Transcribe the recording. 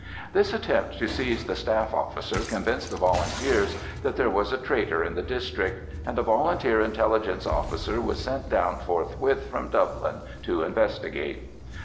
This attempt to seize the staff officer convinced the Volunteers that there was a traitor in the district, and a Volunteer intelligence officer was sent down forthwith from Dublin to investigate.